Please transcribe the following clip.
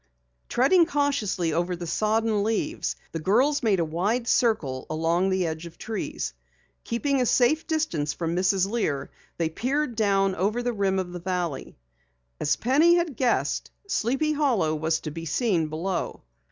Treading cautiously over the sodden leaves, the girls made a wide circle along the edge of trees. Keeping a safe distance from Mrs. Lear, they peered down over the rim of the valley. As Penny had guessed, Sleepy Hollow was to be seen below.